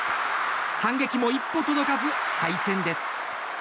反撃も一歩届かず敗戦です。